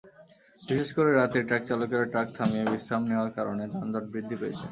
বিশেষ করে রাতে ট্রাকচালকেরা ট্রাক থামিয়ে বিশ্রাম নেওয়ার কারণে যানজট বৃদ্ধি পেয়েছে।